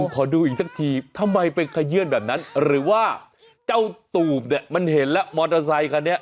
ขอดูอีกสักทีทำไมไปขยื่นแบบนั้นหรือว่าเจ้าตูบเนี่ยมันเห็นแล้วมอเตอร์ไซคันนี้